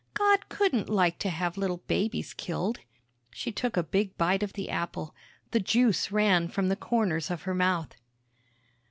God couldn't like to have little babies killed!" She took a big bite of the apple; the juice ran from the corners of her mouth.